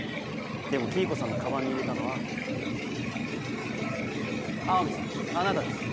でも黄以子さんのカバンに入れたのは青海さんあなたです。